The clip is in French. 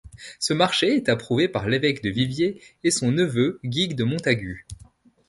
Ce marché est approuvé par l'évêque de Viviers et son neveu Guigues de Montagut.